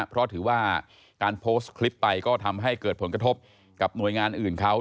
เพราะถือว่าการโพสต์คลิปไปก็ทำให้เกิดผลกระทบกับหน่วยงานอื่นเขา